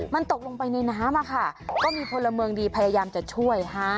มันตกลงไปในน้ำอะค่ะก็มีพลเมืองดีพยายามจะช่วยฮะ